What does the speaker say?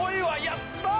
やったー！